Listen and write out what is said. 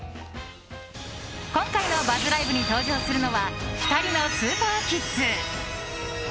今回のＢＵＺＺＬＩＶＥ！に登場するのは２人のスーパーキッズ。